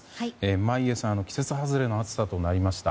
季節外れの暑さとなりました。